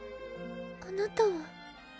あなたは？